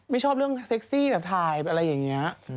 ชอบเรื่องเซ็กซี่แบบถ่ายอะไรอย่างนี้